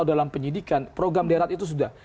dalam penyidikan program derat itu sudah